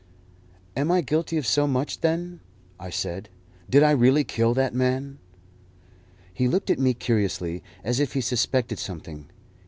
"Am I guilty of so much, then?" I said. "Did I really kill that man?" He looked at me curiously, as if he suspected something.